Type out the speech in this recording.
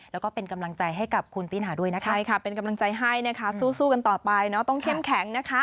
แล้วก็เป็นกำลังใจให้กับคุณปีนหาด้วยนะคะ